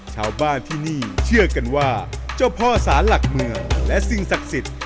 ชาวบ้านที่นี่เชื่อกันว่าเจ้าพ่อสารหลักเมืองและสิ่งศักดิ์สิทธิ์